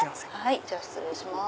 じゃあ失礼します。